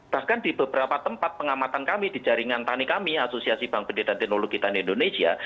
bahkan di beberapa tempat pengamatan kami di jaringan tani kami asosiasi bank pendidikan teknologi tani indonesia